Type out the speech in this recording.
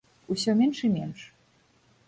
Усё менш і менш.